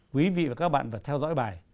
quý vị và các bạn phải theo dõi bài